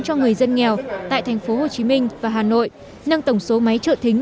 cho người dân nghèo tại tp hcm và hà nội nâng tổng số máy trợ thính